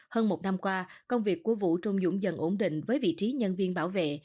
hơn một năm qua công việc của vũ trung dũng dần ổn định với vị trí nhân viên bảo vệ